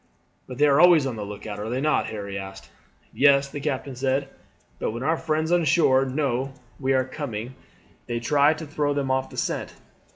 "' "But they are always on the look out, are they not?" Harry asked. "Yes," the captain said; "but when our friends on shore know we are coming they try to throw them off the scent.